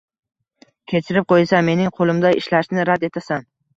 Kechirib qo`yasan, mening qo`limda ishlashni rad etasan